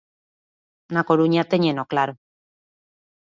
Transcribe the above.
Na Coruña téñeno claro.